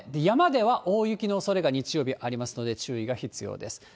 山では大雪のおそれが、日曜日ありますので注意が必要です。